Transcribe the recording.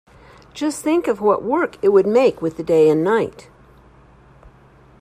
Just think of what work it would make with the day and night!